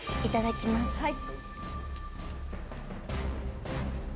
いただきます。